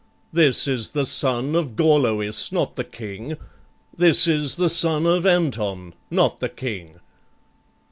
This is the son of Gorloïs, not the King; This is the son of Anton, not the King."